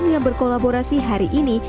yang berkolaborasi hari ini